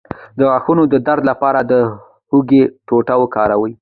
د غاښونو د درد لپاره د هوږې ټوټه وکاروئ